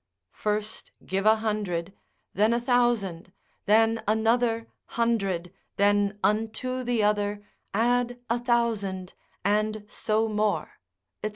———first give a hundred, Then a thousand, then another Hundred, then unto the other Add a thousand, and so more, &c.